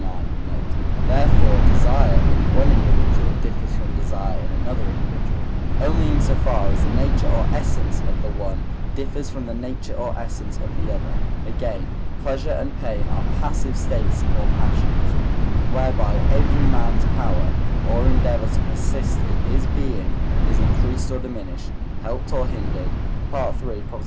ix. note); therefore desire in one individual differs from desire in another individual, only in so far as the nature or essence of the one differs from the nature or essence of the other. Again, pleasure and pain are passive states or passions, whereby every man's power or endeavour to persist in his being is increased or diminished, helped or hindered (III.